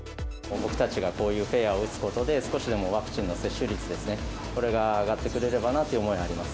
僕たちがこういうフェアを打つことで、少しでもワクチンの接種率ですね、これが上がってくれればなという思いはあります。